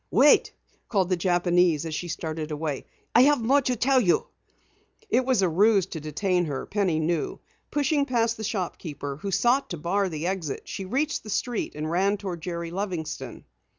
"Wait," called the Japanese as she started away, "I have more to tell you." It was a ruse to detain her, Penny knew. Pushing past the shopkeeper who sought to bar the exit, she reached the street and ran toward Jerry Livingston.